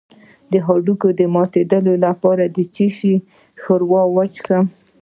د هډوکو د ماتیدو لپاره د څه شي ښوروا وڅښم؟